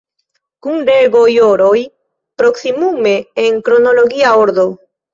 Kun rego-joroj; proksimume en kronologia ordo.